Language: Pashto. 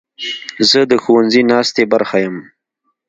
زه د ښوونځي ناستې برخه یم.